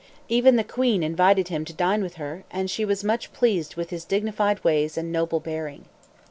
Even the Queen invited him to dine with her; and she was much pleased with his dignified ways and noble bearing.